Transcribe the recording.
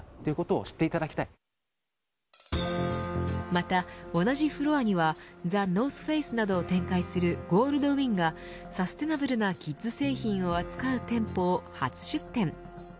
また同じフロアにはＴＨＥＮＯＲＴＨＦＡＣＥなどを展開するゴールドウィンがサステナブルなキッズ製品を扱う店舗を初出店。